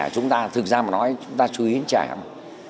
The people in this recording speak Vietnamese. chúng ta thực ra mà nói chúng ta chú ý đến trẻ không